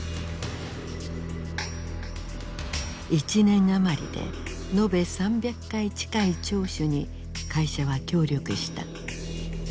１年余りで延べ３００回近い聴取に会社は協力した。